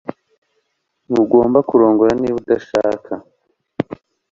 Ntugomba kurongora niba udashaka